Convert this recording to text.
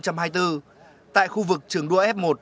tại khu vực trường đua f một